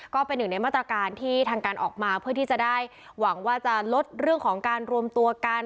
ก็เป็นหนึ่งในมาตรการที่ทางการออกมาเพื่อที่จะได้หวังว่าจะลดเรื่องของการรวมตัวกัน